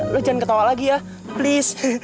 lu jangan ketawa lagi ya please